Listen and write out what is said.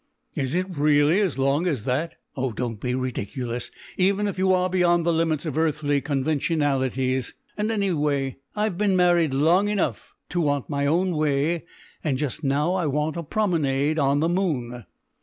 "Is it really as long as that?" "Oh, don't be ridiculous, even if you are beyond the limits of earthly conventionalities. Anyhow, I've been married long enough to want my own way, and just now I want a promenade on the moon."